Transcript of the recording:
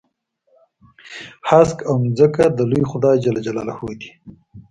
هسک او ځمکه د لوی خدای جل جلاله دي.